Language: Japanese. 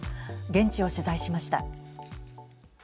現地を取材しました。